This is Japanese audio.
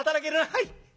「はい。